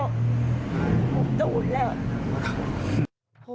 หมุ่มตูนแล้ว